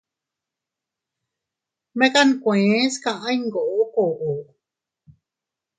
Mekan nkuees kaʼa iyngoo koʼko.